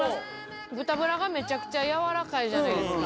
豚バラがめちゃくちゃ軟らかいじゃないですか。